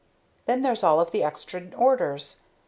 Then there's all of the extra orders.